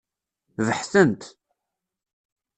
Beḥten-t.